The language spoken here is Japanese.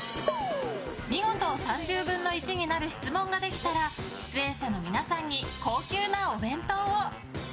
見事３０分の１になる質問ができたら出演者の皆さんに高級なお弁当を。